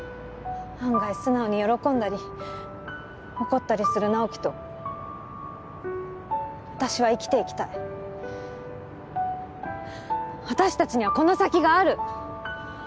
案外素直に喜んだり怒ったりする直木と私は生きていきたい私たちにはこの先がある！